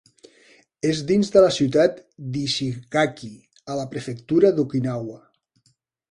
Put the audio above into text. És dins de la ciutat d'Ishigaki, a la prefectura d'Okinawa.